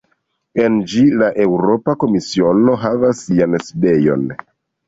En ĝi la Eŭropa Komisiono havas sian sidejon.